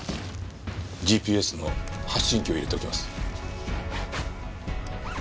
ＧＰＳの発信機を入れておきます。